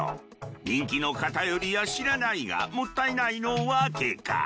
「人気の偏り」や「知らない」がもったいないの訳か。